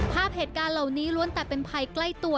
ภาพเหตุการณ์เหล่านี้ล้วนแต่เป็นภัยใกล้ตัว